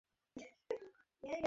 পুলিশও মামলাটা নিষ্পত্তি করে দেয়।